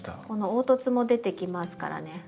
この凹凸も出てきますからね。